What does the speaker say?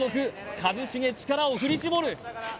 一茂力を振り絞る！